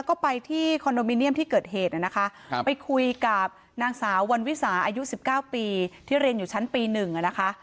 ก็ไปที่คอนโดมิเนียมที่เกิดเหตุนะคะไปคุยกับนางสาววันวิสาอายุ๑๙ปีที่เรียนอยู่ชั้นปี๑นะคะ